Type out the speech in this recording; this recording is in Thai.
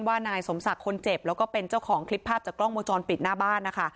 นายสมศักดิ์คนเจ็บแล้วก็เป็นเจ้าของคลิปภาพจากกล้องวงจรปิดหน้าบ้านนะคะ